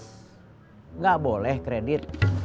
enggak boleh kredit